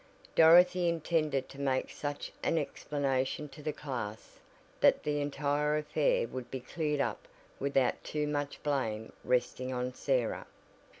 Dorothy intended to make such an explanation to the class, that the entire affair would be cleared up without too much blame resting on Sarah.